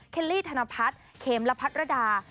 เคลลี่ธนพัฒน์เขมรพัฒน์รดา